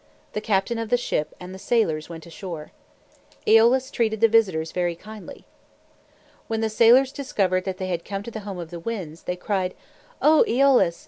The captain of the ship and the sailors went ashore. Eolus treated the visitors very kindly. When the sailors discovered that they had come to the home of the Winds, they cried, "O Eolus!